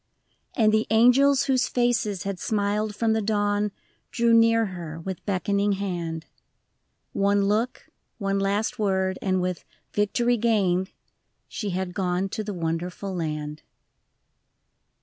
And the angels whose faces had smiled from the dawn Drew near her with beckoning hand ; One look, one last word, and with " Victory gained "— She had gone to the Wonderful Land.